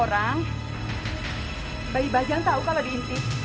bapak biru yang dibuktikan dokter